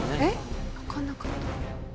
わかんなかった。